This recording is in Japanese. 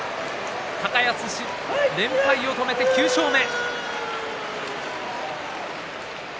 高安、連敗を止めて９勝目。